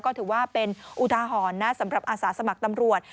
ก็ถือว่าเป็นอุทาหรณ์นะสำหรับอาสาสมัครตำรวจ